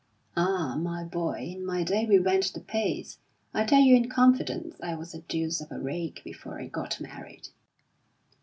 "Ah, my boy, in my day we went the pace! I tell you in confidence, I was a deuce of a rake before I got married."